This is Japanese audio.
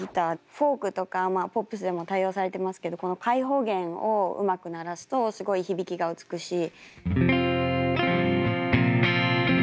フォークとかポップスでも多用されてますけどこの開放弦をうまく鳴らすとすごい響きが美しい。